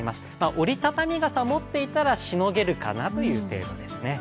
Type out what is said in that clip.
折り畳み傘を持っていたらしのげるかなという程度ですね。